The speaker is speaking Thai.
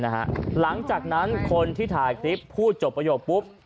หลังจากนั้นคนที่ถ่ายคลิปพูดจบประโยคปุ๊บ